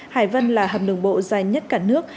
hải vân là hầm đường bộ dài nhất cả nước